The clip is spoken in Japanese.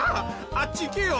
あっち行けよ！